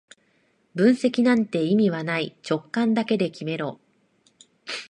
分析なんて意味はない、直感だけで決めろ